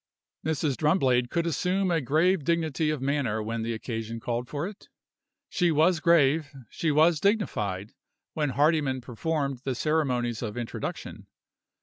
Mrs. Drumblade could assume a grave dignity of manner when the occasion called for it. She was grave, she was dignified, when Hardyman performed the ceremonies of introduction.